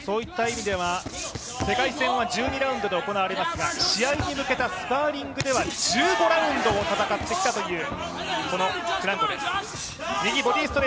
世界戦は１２ラウンドで行われますが試合に向けたスパーリングでは１５ラウンドを戦ってきたというフランコです。